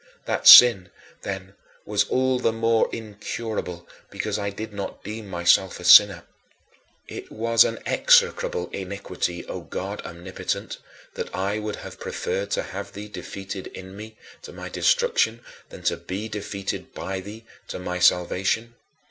That sin then was all the more incurable because I did not deem myself a sinner. It was an execrable iniquity, O God Omnipotent, that I would have preferred to have thee defeated in me, to my destruction, than to be defeated by thee to my salvation.